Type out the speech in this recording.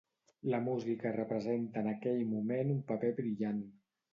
La música representa en aquell moment un paper brillant.